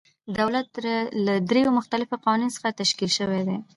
دولت له دریو مختلفو قواوو څخه تشکیل شوی دی.